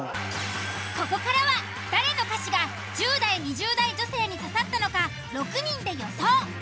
ここからは誰の歌詞が１０代２０代女性に刺さったのか６人で予想。